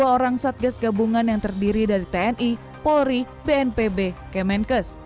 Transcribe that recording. tujuh ratus enam puluh dua orang satgas gabungan yang terdiri dari tni polri bnpb kemenkes